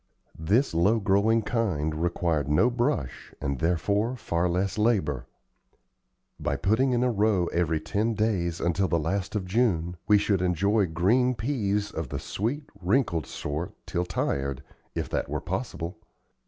This low growing kind required no brush and, therefore, far less labor. By putting in a row every ten days till the last of June, we should enjoy green peas of the sweet, wrinkled sort till tired, if that were possible.